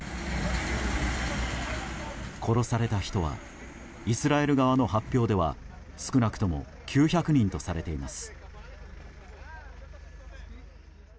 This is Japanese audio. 殺された人はイスラエル側の発表では少なくとも９００人とされています。